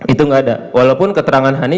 itu nggak ada walaupun keterangan hani